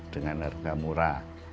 dengan harga murah